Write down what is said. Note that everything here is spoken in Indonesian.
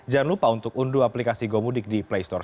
jangan lupa untuk unduh aplikasi gomudik di play store